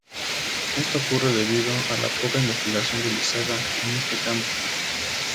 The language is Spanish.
Esto ocurre debido a la poca investigación realizada en este campo.